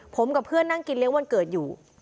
ผมกับเพื่อนนั่งกินเลี้ยงวันเกิดอยู่